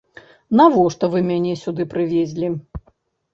Навошта вы мяне сюды прывезлі?!